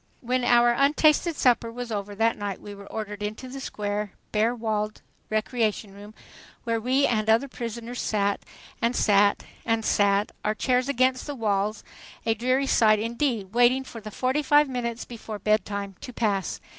When our untasted supper was over that night we were ordered into the square, bare walled "recreation" room, where we and the other prisoners sat, and sat, and sat, our chairs against the walls, a dreary sight indeed, waiting for the fortyfive minutes before bedtime to pass.